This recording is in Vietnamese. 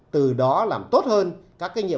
từ đó làm tốt hơn các kinh nghiệm